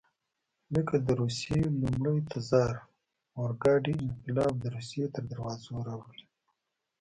لکه د روسیې لومړي تزار اورګاډی انقلاب د روسیې تر دروازو راوړي.